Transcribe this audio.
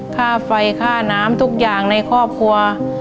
ค่าไฟค่าน้ำทุกอย่างในครอบครัว